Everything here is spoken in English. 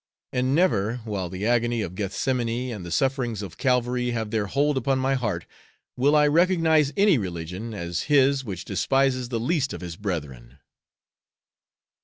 And never, while the agony of Gethsemane and the sufferings of Calvary have their hold upon my heart, will I recognize any religion as His which despises the least of His brethren."